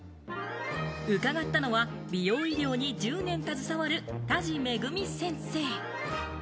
うかがったのは美容医療に１０年携わる田路めぐみ先生。